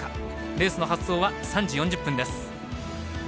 レースの発走は３時４０分です。